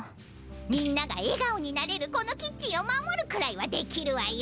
みんなが笑顔になれるこのキッチンを守るくらいはできるわよ。